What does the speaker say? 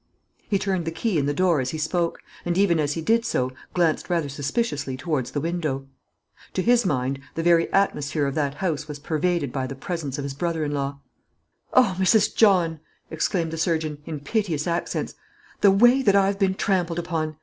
He turned the key in the door as he spoke, and even as he did so glanced rather suspiciously towards the window. To his mind the very atmosphere of that house was pervaded by the presence of his brother in law. "O Mrs. John!" exclaimed the surgeon, in piteous accents, "the way that I've been trampled upon.